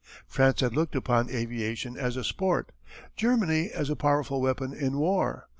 "France had looked upon aviation as a sport, Germany as a powerful weapon in war.